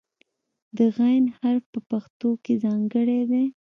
د "غ" حرف په پښتو کې ځانګړی دی.